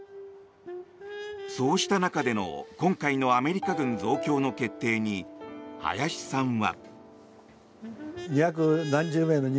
そうした中での今回のアメリカ軍増強の決定に林さんは。